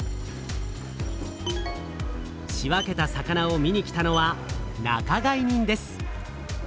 仕分けた魚を見に来たのは仲買人です。